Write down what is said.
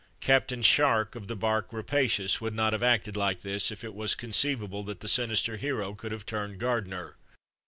Captain Shark, of the barque Rapacious, would not have acted like this, if it was conceivable that that sinister hero could have turned gardener.